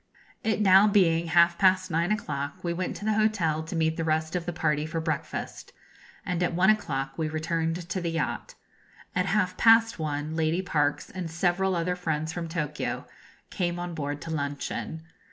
It being now half past nine o'clock, we went to the hotel to meet the rest of the party for breakfast, and at one o'clock we returned to the yacht. At half past one Lady Parkes and several other friends from Tokio came on board to luncheon.